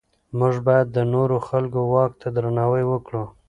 موږ باید د نورو خلکو واک ته درناوی وکړو.